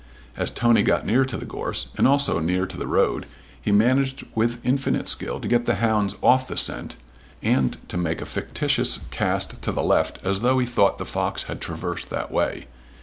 As Tony got near to the gorse and also near to the road he managed with infinite skill to get the hounds off the scent, and to make a fictitious cast to the left as though he thought the fox had traversed that way.